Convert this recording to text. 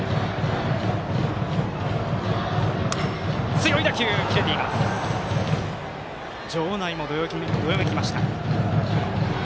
強い打球、切れています場内もどよめきました。